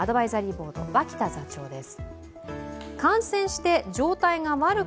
ボード脇田座長です。